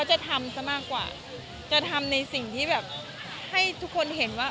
จะทำซะมากกว่าจะทำในสิ่งที่แบบให้ทุกคนเห็นว่า